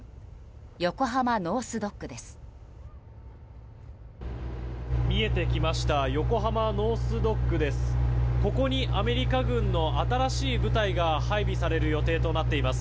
横浜ノース・ドックです。